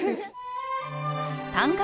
短歌